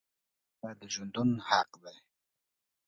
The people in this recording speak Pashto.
له مرګ وروسته ژوندون حق دی .